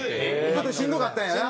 ちょっとしんどかったんやな？